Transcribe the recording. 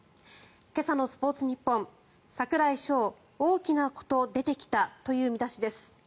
今朝のスポーツニッポン櫻井翔、大きなこと出てきたという見出しです。